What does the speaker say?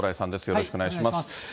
よろしくお願いします。